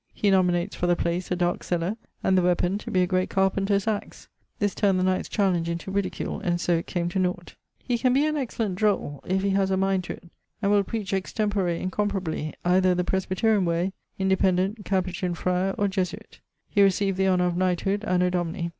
He nominates, for the place, a darke cellar, and the weapon to be a great carpenter's axe. This turned the knight's challenge into ridicule, and so it came to nought. He can be an excellent droll (if he haz a mind to it) and will preach extempore incomparably, either the Presbyterian way, Independent, Cappucin frier, or Jesuite. He recieved the honour of knighthood Anno Domini....